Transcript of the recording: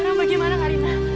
sekarang bagaimana karina